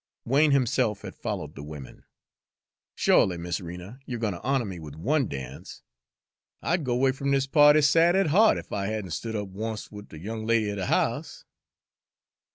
Wain himself had followed the women. "Sho'ly, Miss Rena, you're gwine ter honah me wid one dance? I'd go 'way f'm dis pa'ty sad at hea't ef I had n' stood up oncet wid de young lady er de house."